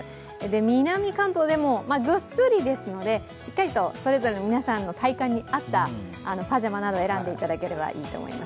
南関東でも、ぐっすりですので、しっかりと、それぞれの皆さんの体感に合ったパジャマなど選んでいただければいいと思います。